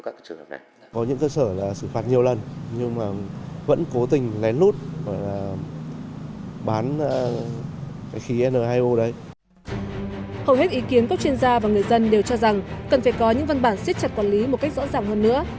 cần phải có những văn bản xích chặt quản lý một cách rõ ràng hơn nữa